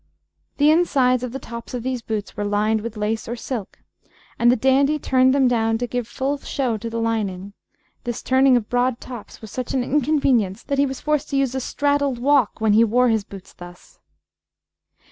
] The insides of the tops of these boots were lined with lace or silk, and the dandy turned them down to give full show to the lining this turning of broad tops was such an inconvenience that he was forced to use a straddled walk when he wore his boots thus.